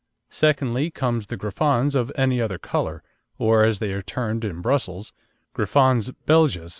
Secondly come the Griffons of any other colour, or, as they are termed in Brussels, Griffons Belges.